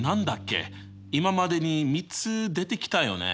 今までに３つ出てきたよね。